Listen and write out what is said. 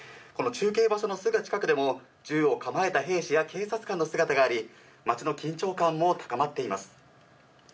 中継場所のすぐ近くでも銃を構えた兵士や警察官の姿があり、街の緊張感も高まっています。